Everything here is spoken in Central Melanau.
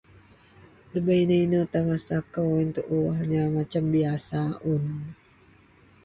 debei inou-inou tan rasa kou ien tuu, hanya macam biasa un